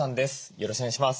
よろしくお願いします。